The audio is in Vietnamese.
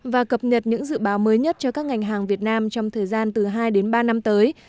và cập nhật những dự báo mới nhất cho các ngành hàng việt nam trong thời gian từ hai đến ba năm tới